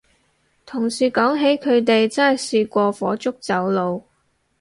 同事講起佢哋真係試過火燭走佬